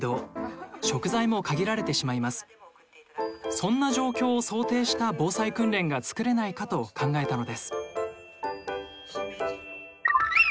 そんな状況を想定した防災訓練が作れないかと考えたのです。